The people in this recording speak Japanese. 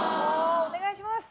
お願いします！